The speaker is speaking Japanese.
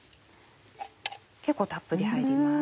結構たっぷり入ります。